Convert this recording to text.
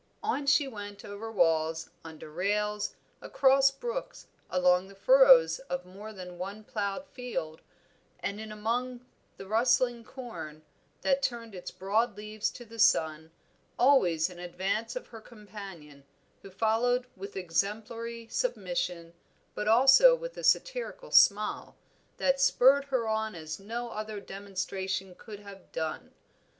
On she went over walls, under rails, across brooks, along the furrows of more than one ploughed field, and in among the rustling corn, that turned its broad leaves to the sun, always in advance of her companion, who followed with exemplary submission, but also with a satirical smile, that spurred her on as no other demonstration could have done.